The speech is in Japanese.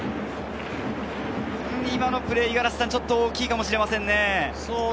今のプレー、五十嵐さん、ちょっと大きいかもしれませんね。